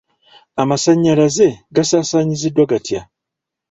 Amasannyalaze gasaasaanyiziddwa gatya?